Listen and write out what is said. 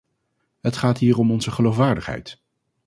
Het gaat hier om onze geloofwaardigheid.